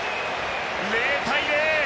０対０。